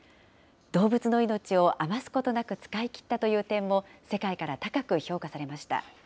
動物の命を余すことなく使い切ったという点も世界から高く評価されました。